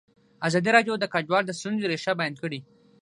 ازادي راډیو د کډوال د ستونزو رېښه بیان کړې.